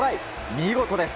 見事です。